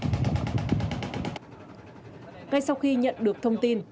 ngay sau khi nhận được thông tin